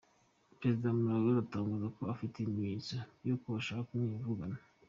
Perezida wa Malawi aratangaza ko afite ibimenyetso by’uko bashaka kumwivugana